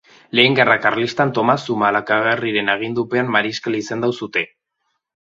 Lehen Gerra Karlistan Tomas Zumalakarregiren agindupean mariskal izendatu zuten.